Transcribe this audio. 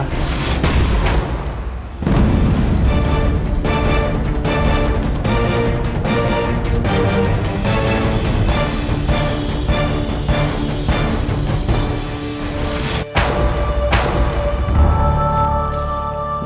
aku nggak bisa mencarimu